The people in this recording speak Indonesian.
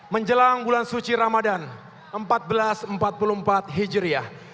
menjelang bulan suci ramadan seribu empat ratus empat puluh empat hijriah